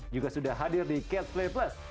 juga sudah hadir di catch play plus